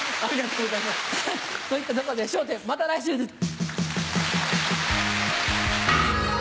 といったところで『笑点』また来週です。